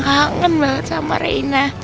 kangen banget sama rena